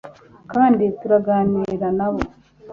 Kandi turaganira nabo